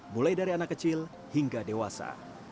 mulai dari anak kecil hingga dewasa